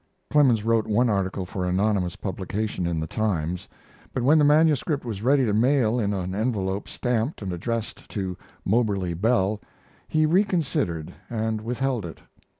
Clemens wrote one article for anonymous publication in the Times. But when the manuscript was ready to mail in an envelope stamped and addressed to Moberly Bell he reconsidered and withheld it.